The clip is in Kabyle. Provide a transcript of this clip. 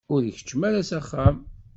Ur ikeččem ara s axxam.